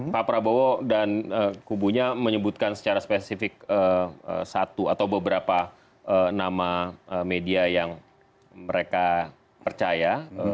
pak prabowo dan kubunya menyebutkan secara spesifik satu atau beberapa nama media yang mereka percaya